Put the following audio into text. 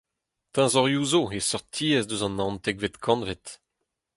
Teñzorioù zo e seurt tiez eus an naontekvet kantved.